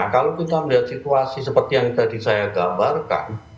kalau kita melihat situasi seperti yang tadi saya gambarkan